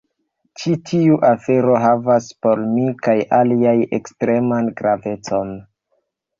Ĉi tiu afero havas por mi kaj aliaj ekstreman gravecon.